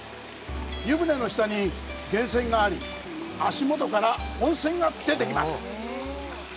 湯船の下に源泉があり、足元から温泉が出てきます。